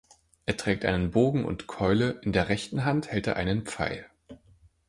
Er trägt einen Bogen und Keule, in der rechten Hand hält er einen Pfeil.